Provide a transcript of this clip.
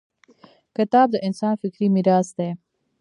• کتاب د انسان فکري میراث دی.